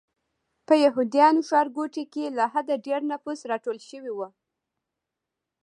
په یهودیانو ښارګوټي کې له حده ډېر نفوس راټول شوی و.